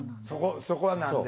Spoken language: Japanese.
そこは何で？